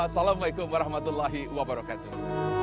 assalamu'alaikum warahmatullahi wabarakatuh